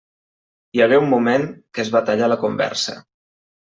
Hi hagué un moment que es va tallar la conversa.